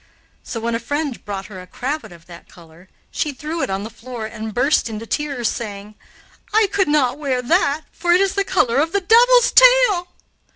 So when a friend brought her a cravat of that color she threw it on the floor and burst into tears, saying, "I could not wear that, for it is the color of the devil's tail."